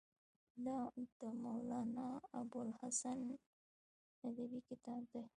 دا مولانا ابوالحسن ندوي کتاب دی.